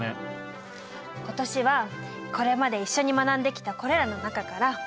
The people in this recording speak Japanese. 今年はこれまで一緒に学んできたこれらの中から。